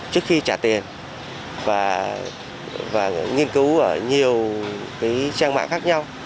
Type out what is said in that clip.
trước khi trả tiền và nghiên cứu ở nhiều trang mạng khác nhau